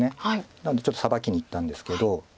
なのでちょっとサバキにいったんですけど。